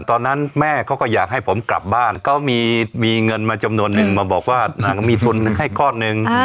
ตอนนั้นแม่เขาก็อยากให้ผมกลับบ้านเขามีเงินมาจำนวนนึงมาบอกว่านางก็มีทุนให้ก้อนหนึ่ง